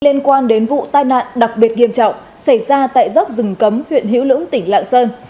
liên quan đến vụ tai nạn đặc biệt nghiêm trọng xảy ra tại dốc rừng cấm huyện hữu lũng tỉnh lạng sơn